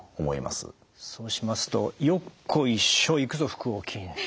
そうしますと「よっこいしょいくぞ腹横筋」。